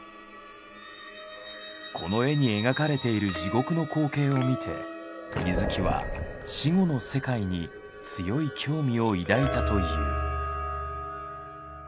この絵に描かれている地獄の光景を見て水木は死後の世界に強い興味を抱いたという。